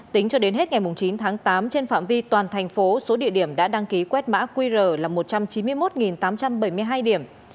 tính cho đến hết ngày chín tháng tám trên phạm vi toàn thành phố số địa điểm đã đăng ký quét mã qr là một trăm chín mươi một tám trăm bảy mươi hai điểm